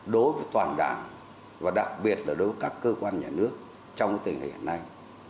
đối với toàn đảng và đặc biệt là đối với các cơ quan nhà nước trong tình hình hiện nay